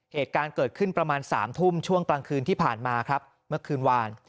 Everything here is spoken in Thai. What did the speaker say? เหตุการณ์เกิดขึ้นประมาณ๓ทุ่มช่วงกลางคืนที่ผ่านมาครับเมื่อคืนวาน